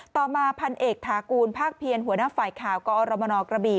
ต่อมาพันเอกถากูลภาคเพียรหัวหน้าฝ่ายข่าวกอรมนกระบี่